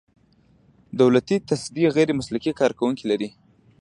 دولتي تصدۍ غیر مسلکي کارکوونکي لري.